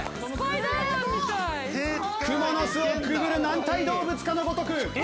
クモの巣をくぐる軟体動物かのごとく。